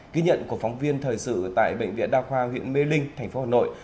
ký nhận của phóng viên thời sự tại bệnh viện đa khoa huyện mê linh thành phố hà nội